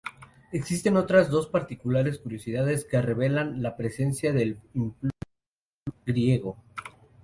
Existen otras dos particulares curiosidades que revelan la presencia del influjo griego.